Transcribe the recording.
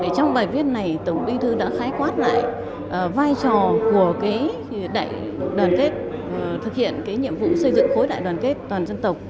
trong bài viết này tổng bí thư đã khái quát lại vai trò của đại đoàn kết thực hiện nhiệm vụ xây dựng khối đại đoàn kết toàn dân tộc